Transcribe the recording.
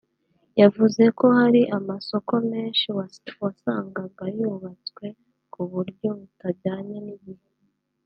yavuze ko hari amasoko menshi wasangaga yubatswe ku buryo butajyanye n’igihe